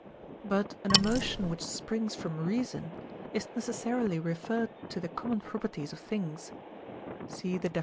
But an emotion which springs from reason is necessarily referred to the common properties of things (see the def.